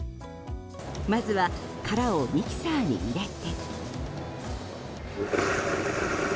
まずは殻をミキサーに入れて。